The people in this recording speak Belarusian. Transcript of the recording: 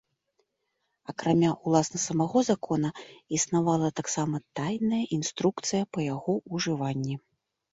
Акрамя ўласна самога закона існавала таксама тайная інструкцыя па яго ўжыванні.